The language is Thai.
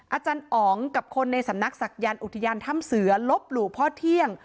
อาจารย์อ๋องกับคนในสำนักศักยันต์อุทยานถ้ำเสือลบหลู่พ่อเที่ยง